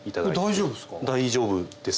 大丈夫です。